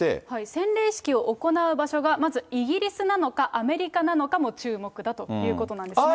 洗礼式を行う場所が、まずイギリスなのか、アメリカなのかも注目だということなんですね。